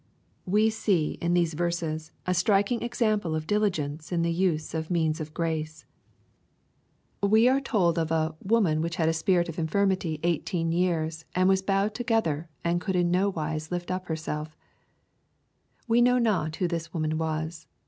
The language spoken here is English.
LUKE, CHAP. Xin. 119 We see in these verses a striking example of diligence in the %ise of means of grace. We are told of a '* woman which had a spirit of infirmity eighteen years, and was hjwed together, and could in no wise lift up herself/' We know not who this woman was.